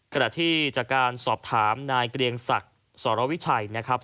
ขณะที่จากการสอบถามนายเกรียงศักดิ์สรวิชัยนะครับ